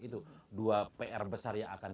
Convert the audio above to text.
itu dua pr besar yang akan